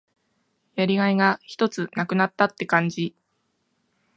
やりがいがひとつ無くなったって感じ。